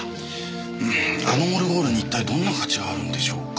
あのオルゴールに一体どんな価値があるんでしょうか？